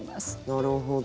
なるほど。